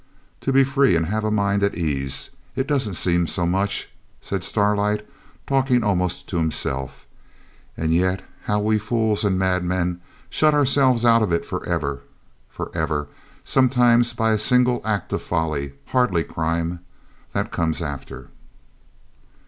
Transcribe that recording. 'To be free, and have a mind at ease; it doesn't seem so much,' said Starlight, talking almost to himself; 'and yet how we fools and madmen shut ourselves out of it for ever, for ever, sometimes by a single act of folly, hardly crime. That comes after.'